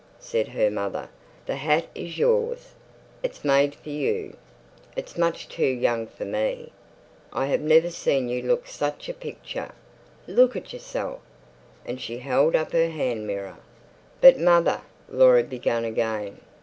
said her mother, "the hat is yours. It's made for you. It's much too young for me. I have never seen you look such a picture. Look at yourself!" And she held up her hand mirror. "But, mother," Laura began again.